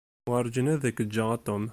Werjin ad k-ǧǧeɣ a Tom.